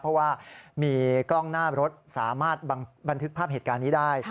เพราะว่ามีกล้องหน้ารถสามารถบันทึกภาพเหตุการณ์นี้ได้